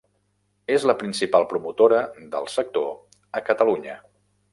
És la principal promotora del sector a Catalunya.